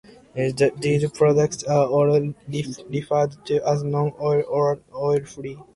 These products are also referred to as "non-oil" or "oil free".